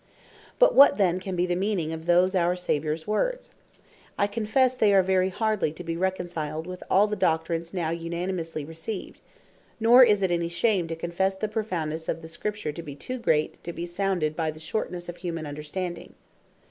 But what then can bee the meaning of those our Saviours words? I confesse they are very hardly to bee reconciled with all the Doctrines now unanimously received: Nor is it any shame, to confesse the profoundnesse of the Scripture, to bee too great to be sounded by the shortnesse of humane understanding.